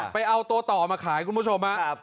ไปเอาตัวต่อมาขายคุณผู้ชมครับ